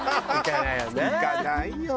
行かないよな。